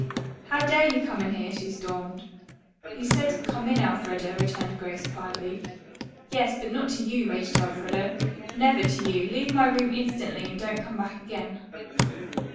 "How dare you come in here?" she stormed. "You said 'Come in,' Elfreda," returned Grace quietly. "Yes, but not to you," raged Elfreda. "Never to you. Leave my room instantly and don't come back again."